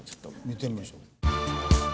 見てみましょう。